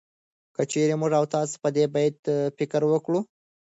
که چېرې موږ او تاسو په دې بيت فکر وکړو